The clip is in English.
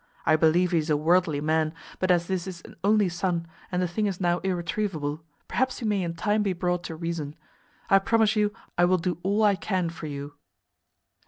I believe he is a worldly man; but as this is an only son, and the thing is now irretrievable, perhaps he may in time be brought to reason. I promise you I will do all I can for you."